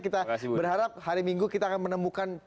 kita berharap hari minggu kita akan menemukan